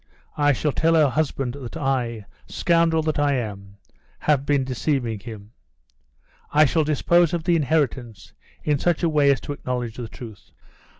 I shall tell her husband that I, scoundrel that I am, have been deceiving him. I shall dispose of the inheritance in such a way as to acknowledge the truth.